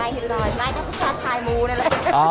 ได้ถือหน่อยน่าจะพูดภาษาขายหมูนั่นแหละ